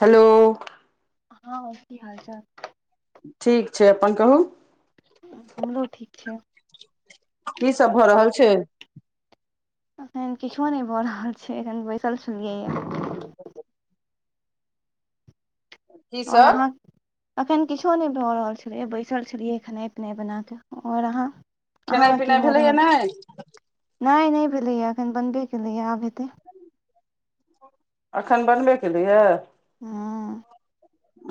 Hello हँ की‌ हाल चाल ठीक छै अपन कहू हमरो ठीक छै की सब भऽ रहल छै एखन किछो नहि भऽ रहल छै एखन बैसल छलियैए ठ [unintelligible] की आओर सब अहाँ अखन किछो नहि भऽ रहल छलै बैसल छलियै खेनाइ पिनाइ बना कऽ आओर अहाँ खेनाइ अहाँके की पिनाइ भऽ भेलैया रहल नहि छै नहि नहि भेलैए एखन बनबे केलैए आब हेतै अखन बनबे केलैए हँ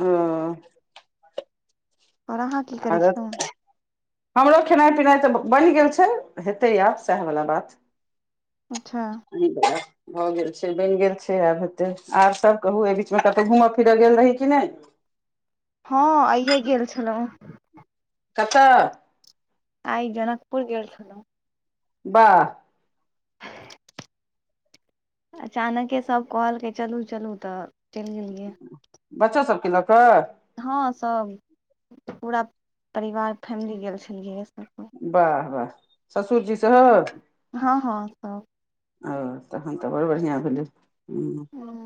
ओ [unintelligible] आओर अहाँ की करै आर छेलौ हमरो खेनाइ पिनाइ तऽ बनि गेल छै हेतै आब सएह बला बात अच्छा ह [unintelligible] भऽ गेल छै बनि गेल छै आब हेते आर सब कहू एहि बीचमे कतौ घूमय फिरय गेल रही कि नहि हँ आइए गेल छेलौ कतऽ आइ जनकपुर गेल छलौ वाह अचानके सब कहलकै चलू चलू तऽ चलि गेलियै बच्चो सबके लऽ कऽ हँ सब पूरा परिवार फैमिली गेल छलियै सब कोइ। वाह वाह ससुरजी सेहो हँ हँ सब ओ तखन तऽ बड बढ़िआँ भेलै ह्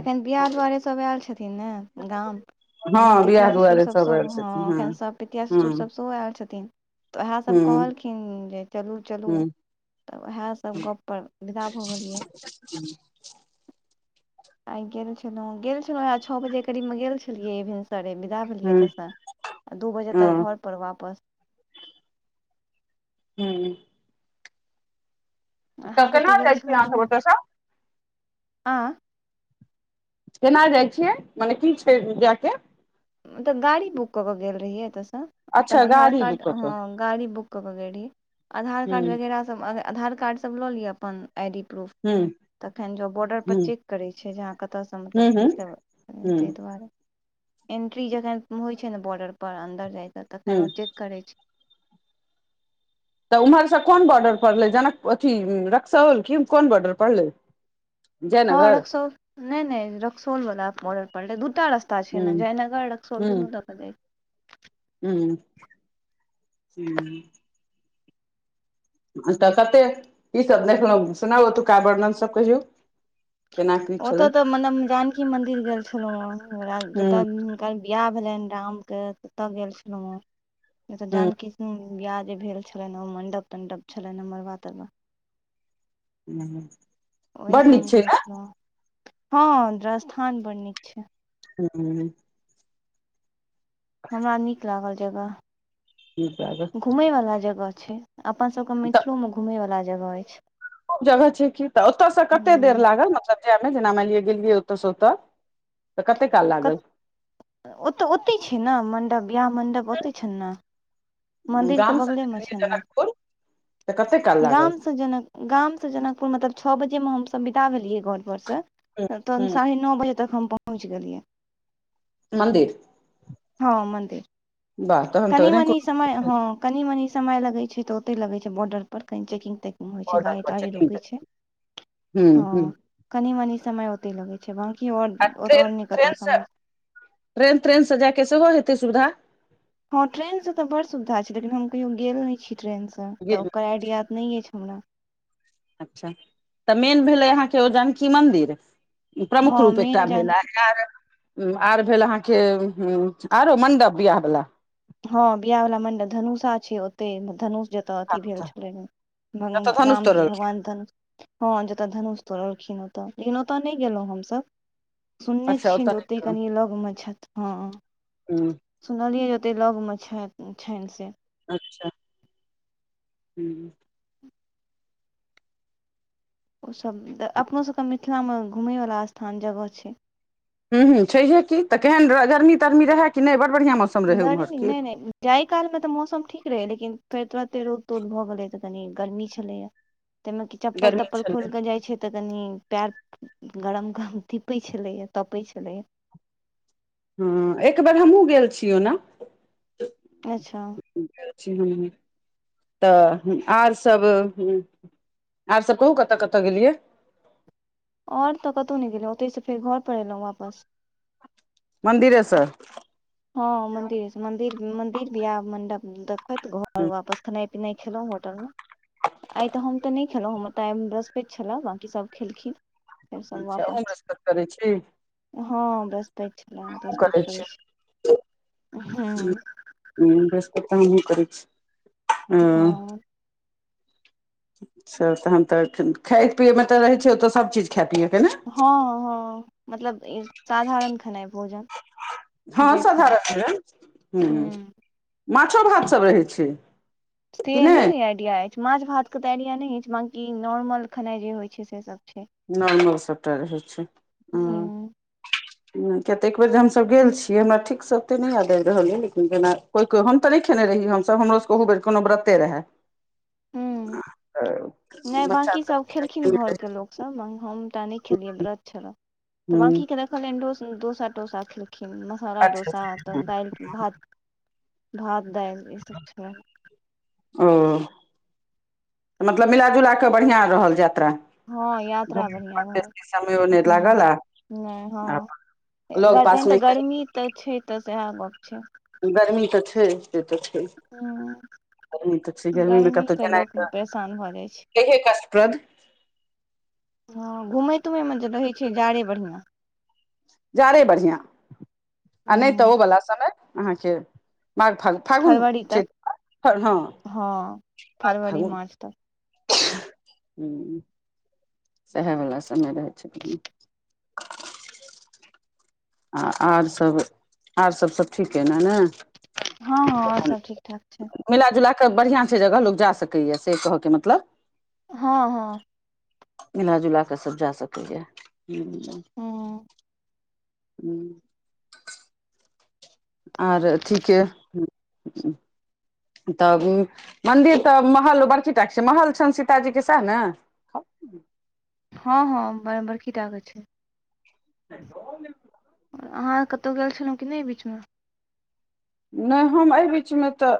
अखैन बियाह दुआरे सब एल छथिन ने गाम हमर हँ बिआह पितिया दुआरे ससुरसभ सब सभ आयल हँ छथिन एखन सभ पितिया हूं ससुरसभ सेहो आयल छथिन तऽ उएहसभ हूं कहलखिन अन जे चलू चलू हूं तऽ ओएह सब गप पर विदा भऽ गेलियै ह [unintelligible] आइ गेल छलों गेल छलों आ छ बजे करीब मे गेल छलियै भि सरे विदा भेलियै हूं एतऽसँ दू बजे ओ तक घर पर वापस हूँ तऽ केना जाय छियै अहां सब ओतऽ सऽ आँय केना जाइ छियै मने की छै जाय के मतलब गाड़ी बुक कऽ कऽ गेल रहियै एतयसँ अच्छा अपन आधार गाड़ी बुक कार्ड कऽ कऽ हाँ गाड़ी बुक कऽ कऽ गेल रही आधार हूं कार्ड वगैरह सब आधार कार्ड सब लऽ लिय अपन आइ डी प्रूफ हूं तखन जाउ बॉर्डर पर हूं चेक करै छै जे अहाँ कतयसँ हूं मतलब हूं कीसभ हूं तै दुआरे एन्ट्री जखन होइ छै न बॉर्डर पर अन्दर जाय कऽ हूं तखैन ओ चेक करै छै तऽ उम्हरसँ कोन बॉर्डर परड़लै जनक अथी रक्सौल की कोन बॉर्डर पड़लै हँ जयनगर रक्सोल नैह रक्सौल बला बॉर्डर परले दूटा रास्ता ता छै ने हूं जयनगर रक्सौल दुनु दऽ कऽ जाय छै हूंम्म तऽ कते की सब देखलहुँ सुनाउ ओतुका वर्णनसभ कहियौ केना की छलै ओतय तऽ मनेब जानकी मंन्दिर गेल छलहुँ हेँ हूं जतय बिआह भेलनि रामके तऽत गेल छलहुँ हेँ जेतऽ हूं जानकी संग हूंम्म बियाह जे भेल छेलैन ओ मंडप तंडप छलनि है मड़बा तरबा ह [inaudible] ओहि ठाम गेल छलहुँ हँ [unintelligible] हँ स्थान बड़ नीक छै हूंम्म हमरा नीक लागल नीक लागल जगह घुमयवला जगह छै अपनसभके तऽ मिथिलोमे घूमयवला जगह अछि। जगह छै कि तऽ ओतयसँ कतेक देर हूँ लागल मतलब जायमे जेना मानि लिअ गेलियै ओतयसँ ओतय? तऽ कते काल कत लागल? ओतऽ ओतहि छै ने मण्डप बियाह मण्डप ओतहि छैन ने। मंन्दिर के गाम से बगले मे गेलियै छै ना। जनकपुर तऽ कते काल लागल गाम से जेना गाम से जनकपुर मतलब छओ बजे मे हमसभ बिदा भेलियै घर पर से ह तहन ह साढ़े नओ बजे तक हम पहुँच गेलियै। मन्दिर हाँ मन्दिर। वाह तहन तऽ कनि नहि मनी समय कोनो हँ कनी मनी समय लगै छै तऽ ओतय लगै छै बॉर्डर पर कनि चेकिंग तेकिंग होइ छै बॉर्डर गाड़ी पर ताड़ी रुकै चेकिंग हम्म हम्म कनी मनी समय ओतय लगै छै बाकी आओर आ ट्रेन आओर नहि ट्रेन कतहु से समय ट्रेन ट्रेनसँ जाइके सेहो हेतै सुविधा। हँ ट्रेनसँ त बड़ सुविधा छै लेकिन हम कहियो गेल नहि छी ट्रेनसँ जी त ओकर आइडिया नहि अछि हमरा अच्छा तऽ मेन भेलै अहाँके ओ जानकी मंन्दिर। प्रमुख हँ रूप एकटा मेन जान भेलै आर आर भेल अहाँके ह आरो मण्डप बियाह बला हँ बियाह वला मंडप धनुषा छै ओते धनुष तऽ अथी भेल छलै जतऽ धनुष रामजी तोड़ल भगवान धन हँ जतय धनुष तोड़लखिन ओत लेकिन ओतय नहि गेलहुँं हमसभ। सुनने अच्छा छियै ओतऽ जे नहि ओते गेलौं कनि लग मे छथि हँ हूँ सुनलियै जे कते लगमे छथि छनि से अच्छा हूंम्म ओसभ तऽ अपनोसभके मिथिलामे घुमैवला स्थान जगह छै। हूँ ह छैहे तऽ केन गमी तरमी रहे कि नहि बड़ बढ़िया मौसम रहै उम्हर गर्मी की नय नय जाहि कालमे तऽ मौसम ठीक रहै लेकिन फेर तुरन्ते रोद तोद भऽ गेलै तऽ कनि गर्मी छलैए। तमे की चप्पल गर्मी तप्पल छलै खोलकेऽ जाइ छै। तऽ कनी पैर गरम धीपैत छलैया तपैत छलैया। हँ एकबर हमहहुँ गेल छियौ ओना। अच्छा अछि हाँ [unintelligible] तऽ आर सब ह आर सब कहू कतऽ कतऽ गेलियै? ओर तऽ कतहु नहि गेलहुँ ओतहिसँ फेर घर पर एयलहुँ वापस। मन्दिरे से हँ मंदिर मंदिर मंदिर बियाह आ मंडप देखत घर हूँ वापस नय खेलहुं होटल मे। आइ तऽ हम तऽ नहि खेलहुँ हमर तऽ आइ बृहस्पति छले बाँकी सभ खेलखिन। फेर सभ अच्छा अहुँ वापस बृहस्पति करै छी हमहुँ हँ बृहस्पति छलै बृहस्पति करैत छी। त [inaudible] हमम्म ह बृहस्पत त हमीहूँ करै छी अ हँ तहन तऽ खाय पियए मे तऽ रहै छै ओतऽ सब चीज खाय पिय के ने हँ हँ मतलब ई साधारण खेनाइ भोजन। हँ जे खाय साधारण भेल ह हूँ माछो भात सब रहै छै। से नहि आइडिया अय माछ भात के तऽ आईडिया नहि छै बकी नॉर्मल खेनाई जे होय छै से सब छै। नॉर्मल सभटा रहै छै हम्म हूँ [inaudible] किया‌ त एक बेरे हमसभ गेल छीयै हमरा ठीकसँ ओते नहि याद आबि रहल य लेकिन जेना हम तऽ नहि खेने रहिय हमसभ हमरो सबके ओहो बेर कोनो व्रते रहै ह नहि बच्चा बकी सब खेलखिन सभ घरके लोक हमटा नहि खेलै व्रत छल तऽ हुँ बकी के कहल डोस तोसा डोसा खेलखिन मसाला अच्छा डोसा तऽ अच्छा दालि भात भात दाईल इ सब छै ओ मतलब मिलाजुला कऽ बढ़िआँ रहल यात्रा हँ यात्रा घुमै बढ़िआँ रह बेसी समयो नहि लागल ह आ नहि आ हँ लग तहन पासमे तऽ एकटा गर्मी तऽ छै तऽ सएह गप छै गर्मी तऽ छै से तऽ हूँ गरमी तऽ छै गर्मीमे गर्मी कतहु से जेनाइ लोक तऽ परेशान भऽ जाइ छै [unintelligible] हँ घुमैत तुमयमे तऽ रहैत छै जाड़े बढ़िआँ जाड़े बढ़िआँ आ नहि तऽ ओवला समय अहाँके माघ फाग फागुन फरवरी च तक हँ हँ माग फरवरी फागुन मार्च तक [unintelligible] सएहे वला समय रहै छथिन आ आरसभ आरसभ त ठीक अइ ने ने हँ हँ आर तहन सब ठीक ठाक छै मिला जुला कऽ बढ़िआं छै जगह लोक जा सकैए से कहऽके मतलब हँ हँ मिलाा जुला कऽ सब जा सकैए हू हूँ हू आर ठीके तऽ मंन्दिर तऽ महल बड़की टाके छै महल छनि सीताजीके सएह नऽ हँ हँ बर बरकी टाकऽ छै [inaudible] अहाँ कतहु गेल छलहुँ कि नहि ई बीचमऽ नहि हम एहि बीचमे तऽ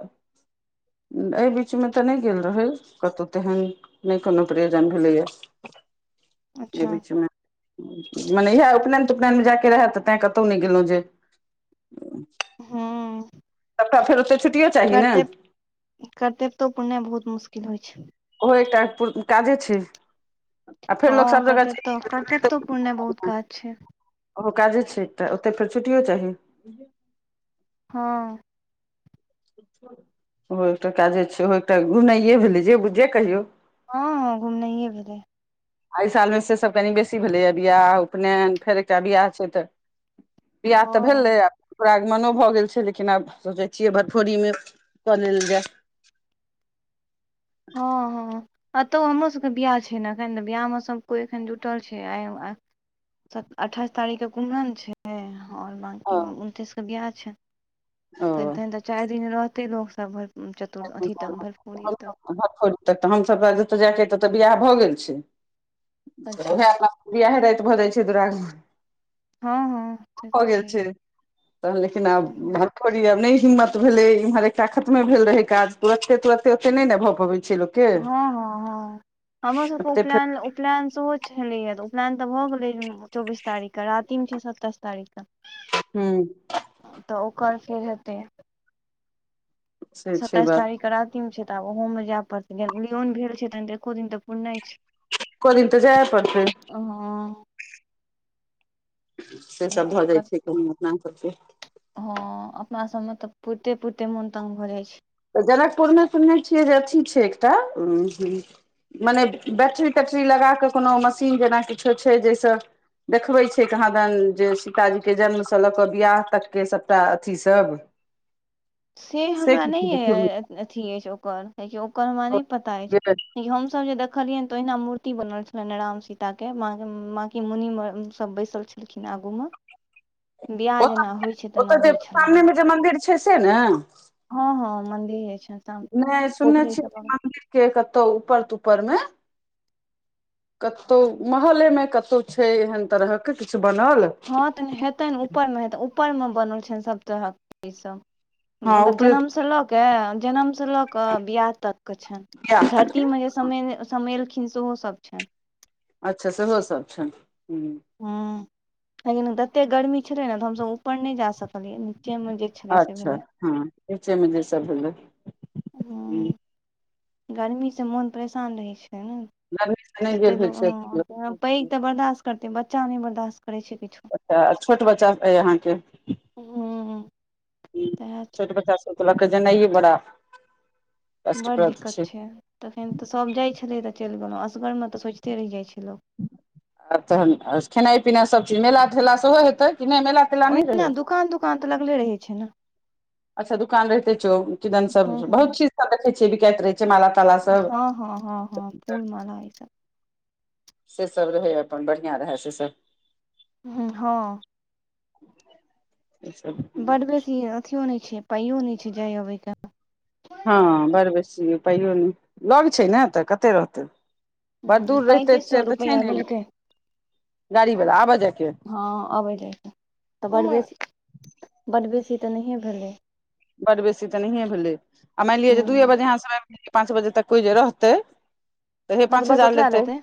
एहि बीचमे तऽ नहि गेल रहै कतहु तेहन नहि कोनो प्रयोजन भेलैएय [inaudible] एहि बीचमे मने इएह उपनयन तु पनयनमे जायके रहए तऽ तैँ कतहु नहि गेलहुँ जे हँ फेरत च [unintelligible] करते करते तो पुरनाइ बहुत मुश्किल होइ छै ओहो एकटा काजे छै आ फेर लोक हँ सब जगह कते तऽ कतेक छै तो पूर्ण बहुत काज छै ओहो काजे छै तऽ ओते फेर छुटियो चाही हँ ओहो एकटा काजे छै ओ एकटा घुनाइए भेलै जे बुझे जे कहियौ हँ हँ घूमनाए भेलै एहि सालमे से सभ कनि बेसी भेलैए बियाह उपनयन फेर एकटा बियाह छै तऽ बियाह तऽ हँ भेलै आ परागमनो भऽ गेल छै लेकिन आब सोचैत छियै भरपोरीमे कऽ लेल जाय हँ हँ एतहु हमरोसभके बियाह छै नऽ एखन तऽ बियाहमे सभ कोइ एखन जुटल छै आ अठाईस तारीख के कुमरन छै आओर बाकी ओ उनतीस कऽ बिआाह ओ छै चारि दिन रहतै लोकसभ भ भेर चतुरर् अथी तक भरपूरी तक भतखोरी तक तऽ हमसभ तऽ जतय जायके ततय बिियाह भऽ गेल अच्छा छैएह बिआहे राति भऽ जाइ छै दुरागमन हँ हँ से हो तऽ गेल छै छैहे तऽ लेकिन आब भतखोरी आब नहि हिम्मत भेलै इम्हर एकटा खतमे भेल रहै काज तुरते तुरते ओते नहि नऽ भऽ पबै छै लोक के हँ हँ हँ हमरो सब कऽ ओते फेर उपलेयन उपलेयन सेहो छलैए तऽ उपनयन तऽ भऽ गेलै चौबीस तारीखके रातिमे छै सत्ताइस तारीखके हू तऽ ओकर फेर हेतै से छै सताइस बात तारीखके रातिमे छै तऽ आब ओहोूमे जाय पड़तै ज उुलो नहि भेल छै तहन एको दिन तऽ पुरनाइ छै एको दिन तऽ जाय पड़तै हँ से सब भऽ जाइ दिक्कत छै कहँ अपना सबके हँ अपना सबमे तऽ पुरते पुरते मोन तंग भऽ जाइ छै तऽ जनकपुरमे सुनने छियै जे अथी छै एकटा ह मने बैटरी तैटरी लगा कऽ कोनो मशीन जेना किछो छै जाहिसँ देखबे छै कहाँ दैन जे सीताजी के जन्म से लऽ क बियाह तक के सबटा अथी सब [inaudible] से हमरा किछु नहि देखबै अथी अछि ओकर कियकि ओकर हमरा नहि पता अछि य हम सब जे देखलियनि ते ओहिना मूर्ति बनल छले राम सीता के माँं के मुनि मे सब बैसल छै किन आगूमे बिआाह ओत जेना होइ छै ओतऽ तेना जे होइ छलै सामने मे जे मंदिर छै से ने हँ हँ मन्दिर हीइन नहि सुनने छियै मन्दिर के कतहु ऊपर त उपरमे कतहु महले मे कतौ छै एहन तरहके किछु बनल हँ तऽ हेतै ने ऊपरमे हेतै ऊपरमे बनल छैनि सभ तरहक चीसभ हँ मतलब उपरे जनमसँ लऽ कऽ जनमसँ लऽ कऽ बियाह तत के छनि तक के धरतीमे जे समेलखिन सेहो सभ छनि अच्छा सेहो सब छैन ह ह लेकिन जतेक गर्मी छलै ने तऽ हमसभ ऊपर नहि जा सकलियै नीचेमे छलै से अच्छा भेलै हँ नीचे मे सब भेल ह गरमीसँ मोन परेशान रहै छै ने गर्मीसँ नहि जते गेल होइ लोग छै हँ पैघ तऽ बर्दाश्त करते बच्चा नहि बर्दाश्त करै छै किछु अच्छा छोट बच्चा अइ अहाँके हू ह छोट बच्चा त लग कऽ जेनाइए बड़ा बडड़ दिक्कत छै तखन तऽ सभ जाइत छलै तऽ चलि गेलहुँ असगरमे तऽ सोचिते रहि जाइत छै लोक आ तहन खेनाइ पिनाइ सब चीज मेला ठेला सेहो हेतै कि नहि मेला ठेला नहि रहै ओहिना दुकान तुकान तऽ लगले रहै छै ने अच्छा दुकान रहिते छै किदन सब हँ बहुत चीज सब देखे छियै बीकाइत रहे छै माला ताला हँ सब हँ हँ हँ फूल माला ई सब से सब रहै अपन बढ़िआं रहै से सब हँ ह [inaudible] बड बेसी अथियो नहि छै पाइयो नहि छै जाय अबयके हँ बड़ बेसी उपाइयो नहि लग छै ने तऽ कते रहतै बड़ ह दूर रहिते पैंतीस सए से तऽ छै रुपैआ ने लेलकै गाड़ी वला आबऽ जायके हँ अबै रहै तऽ बड्ड बेसी बड्ड बेसी तऽ नहिए भेलै बड बेसी तऽ नहिए भेलै आ मानि लिअ ह जे दइए हँ बजे अहाँ सभ आइब गेलयै पाँच बजे तक कोइ जे रहतै हे हँ तऽ पाँच बस हजार ओतबा लेतै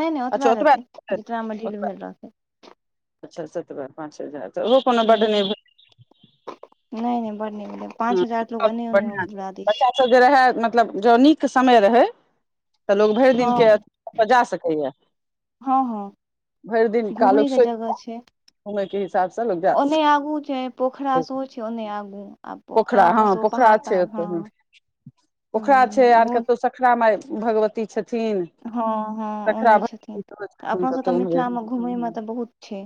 नहि नहि ओतबा अच्छा ओतबे लेतै जकरामे डील ओतबे भेल रहतै अच्छा सतबह पाँच हजार तऽ ओहो कोनो ह बड्ड नहि नहि नहि ब न पाँच हजार लोग एन्ने ओन्ने मे बुरा दै छै से जे रहै मतलब ज नीक समय रहै तऽ लोग भरि दिन हँ के जा सकैएा हँ हँ घूमय कालुक के सोचि जगह कऽ छै घुमय के हिसाब से लोग जा ओने आगू छै पोखरा सकै शोहो छै ओने आगु पोखरा हँ पोखरा छै ओ पोखरा छै ह आर ओहो कतहु खरा मइ भगवती छथिन हँ हँ सखरा ओनैत छथिन भगवती सेहो तऽ छथिन कतहु अपोसभके उम्हरे मिथिलामे घुमयमे तऽ बहुत छै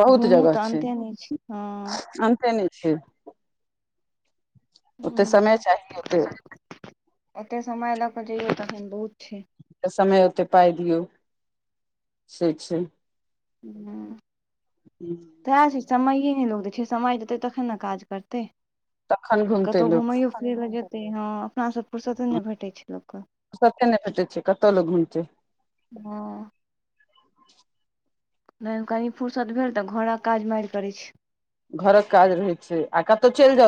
बहुत घूमू जगह तऽ छै अन्ते नहि छै हँ अंते नहि छै ओते समय चाही ओते ओते समय लऽ कऽ जइयौ तखन बहुत छै तऽ समय ओतेक पाय दियौ से छै ह [inaudible] [inaudible] तऽ समय ने लोगै छै समय देतै तखन ने काज करतै तखन घुमतै कतहु लोक घुमैयो ल जेतै हँ अपना सब फुरसते नहि भेटै छै लोकके कते नहि भेटै छैै कतौ लोक घूम छै हँ नहि कनी फुर्सत भेल तऽ घोड़ा काज मारि करैत छै घरक काज रहै छै आ कतौ चलि जाउ